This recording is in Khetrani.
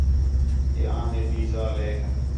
کہ آں ہِے ٻئی ذالیک